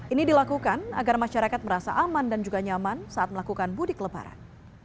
ini dilakukan agar masyarakat merasa aman dan juga nyaman saat melakukan mudik lebaran